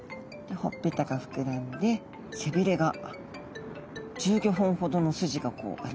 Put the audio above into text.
ほっぺたが膨らんで背びれが１５本ほどの筋がこうあります。